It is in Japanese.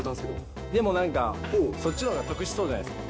でも、なんかそっちのほうが得しそうじゃないですか。